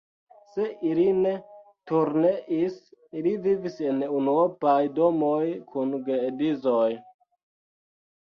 Se ili ne turneis, ili vivis en unuopaj domoj kun geedzoj.